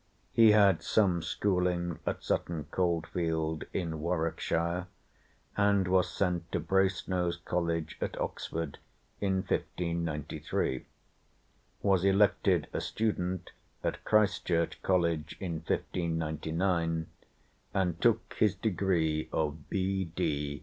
He had some schooling at Sutton Coldfield in Warwickshire, and was sent to Brasenose College at Oxford in 1593; was elected a student at Christ Church College in 1599, and took his degree of B.D.